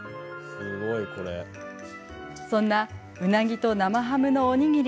そんなうなぎと生ハムのおにぎり。